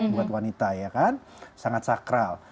buat wanita ya kan sangat sakral